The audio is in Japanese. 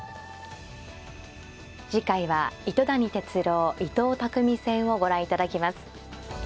次回は糸谷哲郎伊藤匠戦をご覧いただきます。